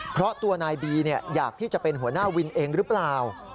เพราะตัวนายบีอยากที่จะเป็นหัวหน้าวินเองหรือเปล่า